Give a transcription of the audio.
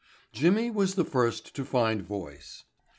Jimmy was the first to find voice.